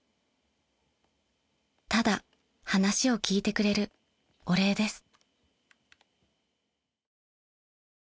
［ただ話を聞いてくれるお礼です］